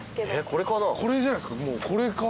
これじゃないすか？